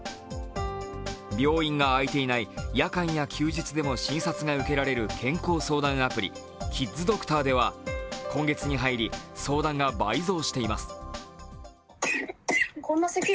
病院が空いていない夜間や休日でも診察が受けられる健康相談アプリキッズドクターでは今月に入り相談が倍増しています。